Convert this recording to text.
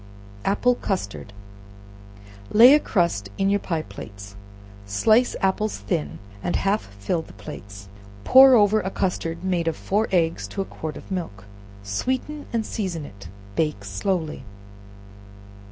Apple Custard. Lay a crust in your pie plates, slice apples thin and half fill the plates, pour over a custard made of four eggs to a quart of milk, sweeten and season it; bake it slowly.